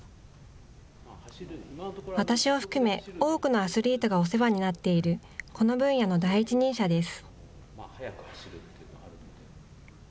私を含め多くのアスリートがお世話になっているこの分野の第一人者です。